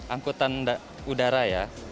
angkutan udara ya